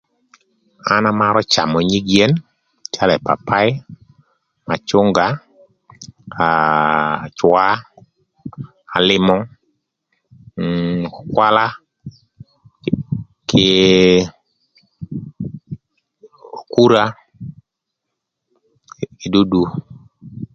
An amarö camö nyig yen calö ëpapaï, macünga, aa cwaa, alïmö, mm ökwakwala, kï okura, kï dudu.